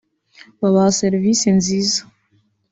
babaha serivisi nziza